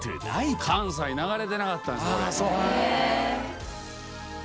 関西流れてなかったんですこれ。